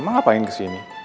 mama ngapain kesini